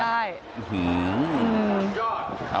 อื้อหืออือหือ